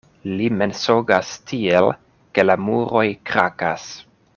Li mensogas tiel, ke la muroj krakas.